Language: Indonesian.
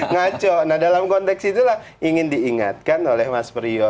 ngaco nah dalam konteks itulah ingin diingatkan oleh mas priyo